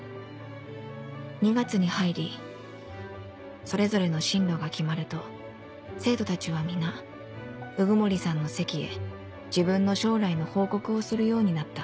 ２月に入りそれぞれの進路が決まると生徒たちは皆鵜久森さんの席へ自分の将来の報告をするようになった